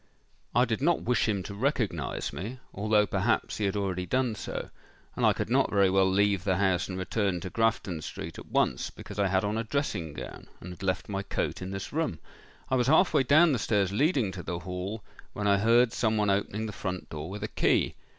I did not wish him to recognise me—although perhaps he had already done so; and I could not very well leave the house and return to Grafton street at once, because I had on a dressing gown, and had left my coat in this room. I was half way down the stairs leading to the hall, when I heard some one opening the front door with a key.